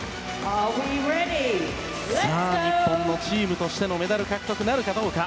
日本のチームとしてのメダル獲得なるかどうか。